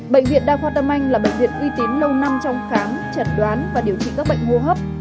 bệnh viện đa khoa tâm anh là bệnh viện uy tín lâu năm trong khám chẩn đoán và điều trị các bệnh hô hấp